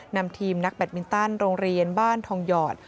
นำทีมนักแบตมินตันโรงเรียนบ้านทองหยอด